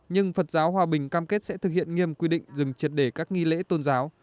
nhưng phật giáo hòa bình cam kết sẽ thực hiện nghiêm quy định dừng triệt để các nghi lễ tôn giáo